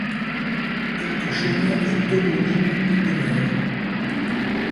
Quelques chemins et toponymes demeurent.